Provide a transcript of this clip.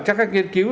chắc các nghiên cứu